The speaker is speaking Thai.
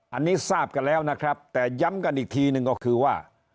อันนี้ทราบกันแล้วนะครับแต่ย้ำกันอีกทีหนึ่งก็คือว่า